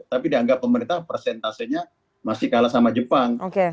tapi dianggap pemerintah persentasenya masih kalah sama jepang